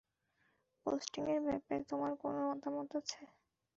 Posting এর ব্যাপারে তোমার কোনো মতামত আছে?